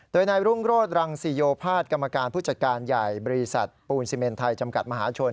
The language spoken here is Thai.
โดยนายรุ่งโรศรังสิโยภาษย์กรรมการผู้จัดการใหญ่บริษัทปูนซีเมนไทยจำกัดมหาชน